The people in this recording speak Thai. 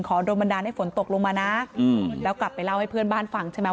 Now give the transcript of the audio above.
โดนบันดาลให้ฝนตกลงมานะแล้วกลับไปเล่าให้เพื่อนบ้านฟังใช่ไหม